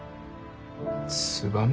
つばめ？